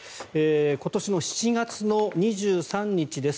今年の７月の２３日です。